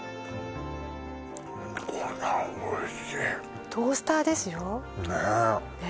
ご飯おいしいトースターですよねえね